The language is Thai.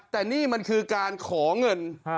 แต่นี่มันคือการขอเงิน